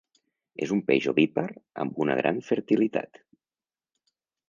És un peix ovípar amb una gran fertilitat.